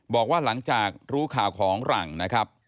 บอกว่าหลังจากรู้ข่าวของหลังนะครับ